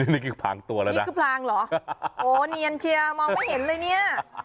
นี่คือพลางตัวแล้วนะนี่คือพลางเหรอโอ้เนียนเชียร์มองไม่เห็นเลยเนี่ย